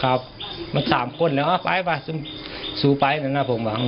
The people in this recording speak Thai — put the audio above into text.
ครับมันสามคนแล้วไปไปสู้ไปนะครับผม